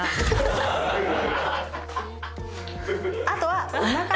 あとは。